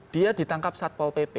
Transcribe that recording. dia ditangkap saat pol pp